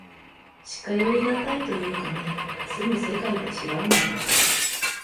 近寄りがたいというかね、住む世界がちがうんだよ。